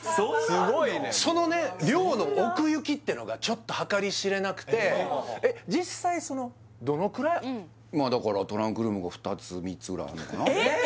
すごいねもうそのね量の奥行きってのがちょっと計り知れなくてえっ実際そのどのくらいまあだからトランクルームが２つ３つぐらいあるのかな・えっ？